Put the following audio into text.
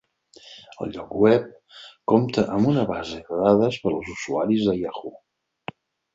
El lloc web compte amb una base de dades per als usuaris de Yahoo!